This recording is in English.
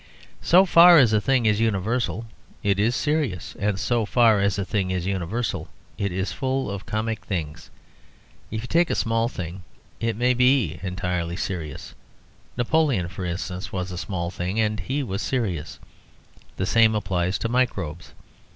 So far as a thing is universal it is serious. And so far as a thing is universal it is full of comic things. If you take a small thing, it may be entirely serious: Napoleon, for instance, was a small thing, and he was serious: the same applies to microbes.